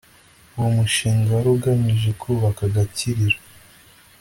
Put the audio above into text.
uwo mushinga wari ugamije kubaka agakiriro